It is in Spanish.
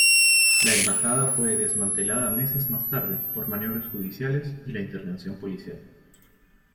La embajada fue desmantelada meses más tarde por maniobras judiciales y la intervención policial.